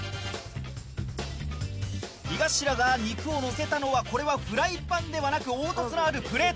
井頭が肉をのせたのはこれはフライパンではなく凹凸のあるプレート！